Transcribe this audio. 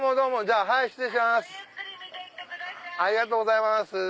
ありがとうございます。